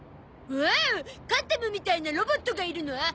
おおカンタムみたいなロボットがいるの？